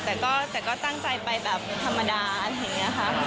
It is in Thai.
แต่ก็ตั้งใจไปแบบธรรมดาอะไรอย่างนี้ค่ะ